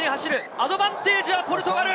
アドバンテージはポルトガル。